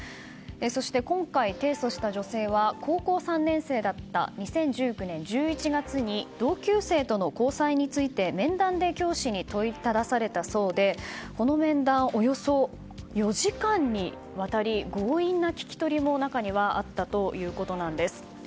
そして今回、提訴した女性は高校３年生だった２０１９年１１月に同級生との交際について面談で教師に問いただされたそうでこの面談、およそ４時間にわたり強引な聞き取りも中にはあったということなんです。